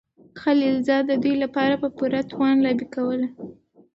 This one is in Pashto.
خلیلزاد د دوی لپاره په پوره توان لابي کوله.